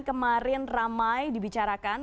kemarin ramai dibicarakan